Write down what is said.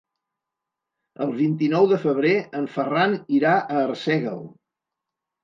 El vint-i-nou de febrer en Ferran irà a Arsèguel.